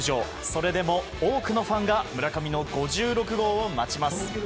それでも多くのファンが村上の５６号を待ちます。